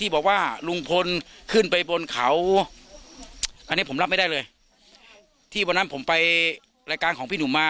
ที่วันนั้นผมไปรายการของพี่หนุ่มมา